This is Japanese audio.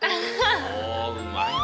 おうまいな。